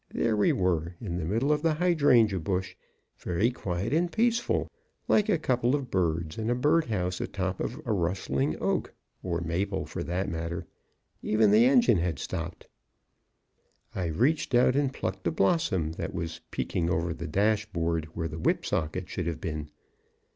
There we were, in the middle of the hydrangea bush, very quiet and peaceful, like a couple of birds in a bird house atop of rustling oak (or maple, for that matter). Even the engine had stopped. I reached out and plucked a blossom that was peeking over the dashboard where the whip socket should have been.